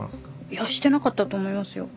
いやしてなかったと思いますよ。